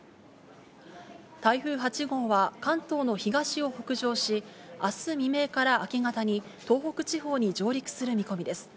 台風８号は関東の東を北上し、あす未明から明け方に、東北地方に上陸する見込みです。